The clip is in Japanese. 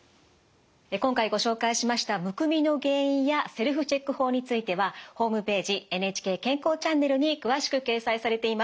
今回ご紹介しましたむくみの原因やセルフチェック法についてはホームページ「ＮＨＫ健康チャンネル」に詳しく掲載されています。